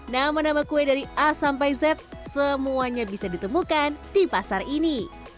nama nama kue dari a sampai z semuanya bisa ditemukan di pasar ini